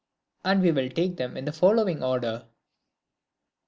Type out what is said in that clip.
And we will take them in the following order.